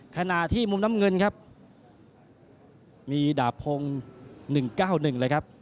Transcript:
ขณะที่มุมน้ำเงินครับมีดาบพงศ์๑๙๑เลยครับ